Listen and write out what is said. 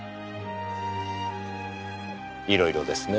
いろいろですね。